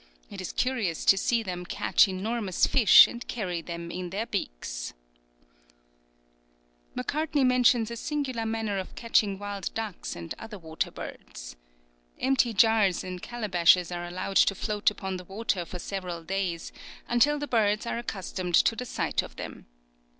It is curious to see them catch enormous fish, and carry them in their beaks." [Illustration: "The famous bird Leutzé."] Macartney mentions a singular manner of catching wild ducks and other water birds. Empty jars and calabashes are allowed to float upon the water for several days, until the birds are accustomed to the sight of them.